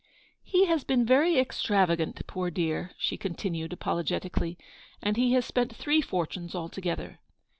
"He has been very extravagant, poor dear," she continued, apologetically ;" and he has spent three fortunes, altogether.